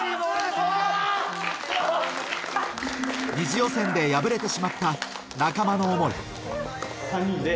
２次予選で敗れてしまった仲間の思い３人で。